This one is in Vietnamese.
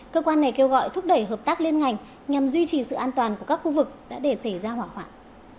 cơ quan này kêu gọi thúc đẩy hợp tác liên ngành nhằm duy trì sự an toàn của các khu vực đã để xảy ra hỏa hoạn